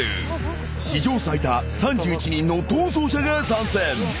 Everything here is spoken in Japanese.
［史上最多３１人の逃走者が参戦］